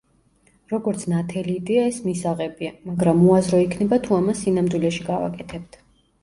როგორც ნათელი იდეა, ეს მისაღებია, მაგრამ უაზრო იქნება, თუ ამას სინამდვილეში გავაკეთებთ.